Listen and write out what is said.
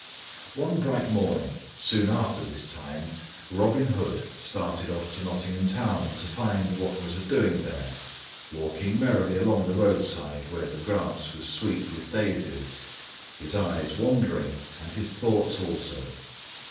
One bright morning soon after this time, Robin Hood started off to Nottingham Town to find what was a doing there, walking merrily along the roadside where the grass was sweet with daisies, his eyes wandering and his thoughts also.